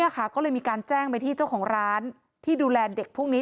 ก็เลยมีการแจ้งไปที่เจ้าของร้านที่ดูแลเด็กพวกนี้